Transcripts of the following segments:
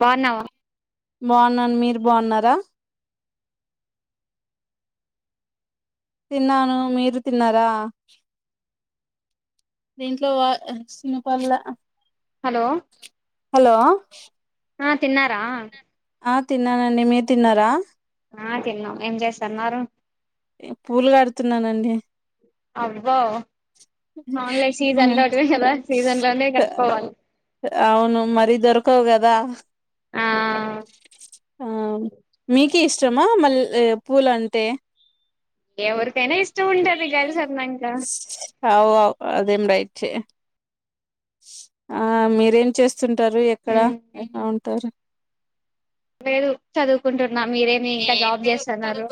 బాగున్నావా బాగున్నాను మీరు బాగున్నారా తిన్నాను మీరు తిన్నారా దీంట్లో వా అసినపల్ల హలో హలో ఆ తిన్నారా డి మీర్ తిన్నారా ఆ తిన్నాం ఏం చెస్తున్నారు ఈ పూలు గడుతున్నానండి అబ్బొ అవునులే సీజన్ తోటి ఎలా సీజన్ లోనే కట్టుకోవాలి అవును మరి దొరకవు గదా ఆ ఆ మీక్ కి ఇష్టమా మల్లె పూలంటే ఎవరికైన ఇష్ట ఉంటది కలిసున్నాక అవు అవు అదేం రైట్ ఆ మీరేం చేస్తుంటారు ఎక్కడ ఉమ్ ఎలా ఉంటారు లేదు చదువుకుంటున్నా మీరేమి ఇంక జాబ్ చేస్తన్నారు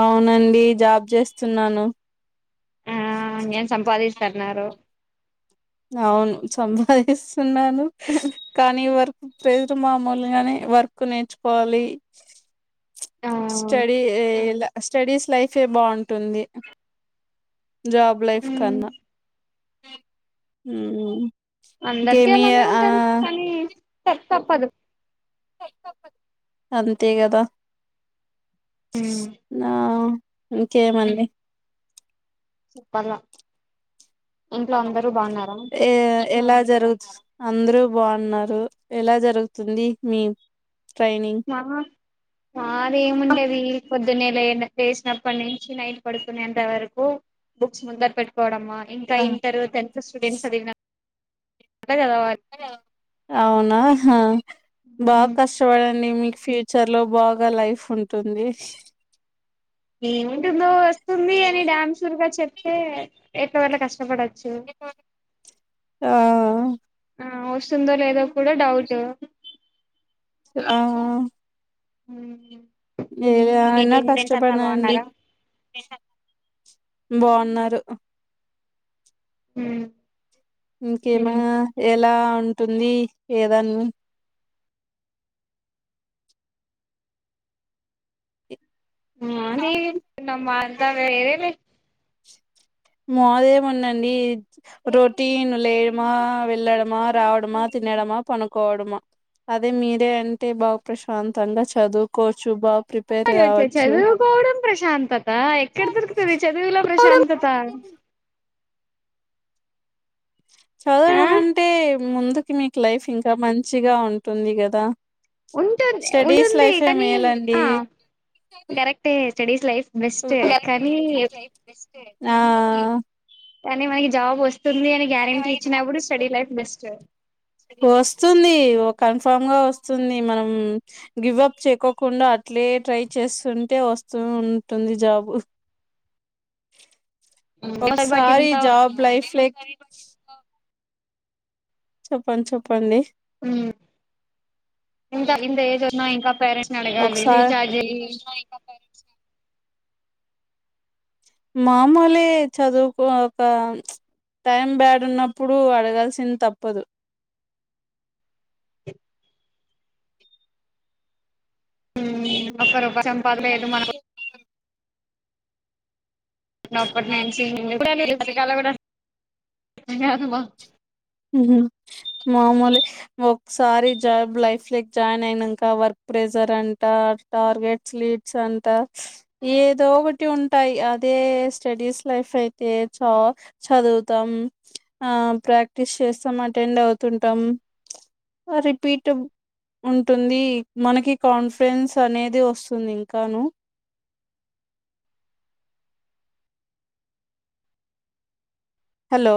అవునండి జాబ్ చేస్త ఆ నేమ్ సంపాదిస్తన్నారు అవును సంపాదిస్తున్నాను కానీ వర్క్ ప్రజర్ మామూలుగానే వర్క్ నేర్చుకోవాలి ఆ ఉమ్ స్టడీ ఎ స్టడీస్ లైఫే బాగుంటుంది జాబ్ లైఫ్ కన్నా ఉమ్ అందరికి అలానే ఉంటది కానీ తప్పదు అంతే గదా న ఇంకేమండి చెప్పాల్లా ఏ ఎలా జరుగుతు అందరుూ బాగున్నారు ఎలా జరుగుతుంది మీ ట్రైనింగ్ అహ మాదేంముంటది పొద్దున్నేల లేసినప్పటి నుంచి నైట్ పడుకునేంత వరకు బుక్స్ ముంద పెట్టు కోవడమ్ ఇంకా ఇంటర్ టెన్త్ స్టూడెంట్స్ అది అవునా హ బాగ కష్టపడండి మీకు ఫ్యూచర్ లో బాగా లైఫ్ ఉంటది ఏముంటుందో వస్తుంది అని డ్యామ్ షూర్గా చెప్తే ఎట్లకోట్ల కష్టపడచ్చు ఆ ఆ వస్తుందో లేదో కూడ డౌట్ ఆ హు ఏదేమైన కష్టపడండి బాగున్నారా బాగున్నారు హుమ్ ఇంకేమన ఎలా ఉంటుంది ఏదన్న అంది మాదంత వేరే లే మాదెమందండి రోటీ ను లేయడమా వెళ్ళడమా రావడమా తి నెడమా పనుకోవడమా అదే మీదే అంటే బాగ ప్రశాంతంగా చదువుకోవచ్చు బా చదువుకోవడం ప్రశాంతత ఎక్కడ దొరుకుతది చదువులో ప్రశాంతత చదవడం ఆ అంటే ముందుకి మీకు లైఫ్ ఇంక మంచిగా ఉంటుంది కదా ఉంటు స్టడీస్ ఉంటుంది లైఫే కానీ మేలండి ఆ కరెక్ట్ే స్టడీస్ లైఫ్ బెస్ట్ కానీ ఆ కానీ మనకి జాబ్ వస్తుంది అని గ్యారెంటీ ఇచ్చినప్పుడు స్టడీ లైఫ్ బెస్ట్ వస్తుంది కన్ఫామ్ గా వస్తుంది మనం గివ్ అప్ చేసుకోకుండా అట్లే ట్రై చేస్తుంటే వస్తూ ఉంటుంది జాబు బట్ ఒకసారి ఇంత జాబ్ లైఫ్ లే చెప్పండి చెప్పండి ఇంత ఎజ్ ఉన్న ఇంకా ఒకసారి [unintelligible] మామూలే చదువుకోక టైం బ్యాడ్ ఉన్నప్పుడు అడగాల్సింది తప్పదు [unintelligible] ఒక్క రూపాయి సంపాదన లేదు మనకు చిన్నప్పటి నుంచి [inaudible] ఊహు మామూలే ఒకసారి జాబ్ లైఫ్ లోకి జాయిన్ అయినంక వర్క్ ప్రెజర్ అంట టార్గెట్స్ లీడ్స్ అంట ఏదో ఒకటి ఉంటాయి అదే స్టడీస్ లైఫ్ అయితే చ చదువుతాం ఆ ప్రాక్ ప్రాక్టీస్ చేస్తాం అటెండ్ అవుతుంటాం రిపీట్ ఉంటుంది మనకి కాన్ఫిడెన్స్ అనేది వస్తుంది ఇంకాను హలో